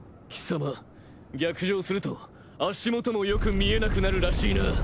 きさま逆上すると足元もよく見えなくなるらしいな。